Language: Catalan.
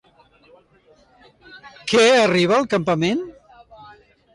Què arriba al campament?